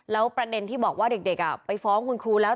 แล้วประเด็นที่บอกว่าเด็กไปฟ้องคุณครูแล้ว